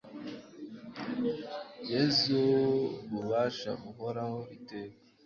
yezu bubasha buhoraho iteka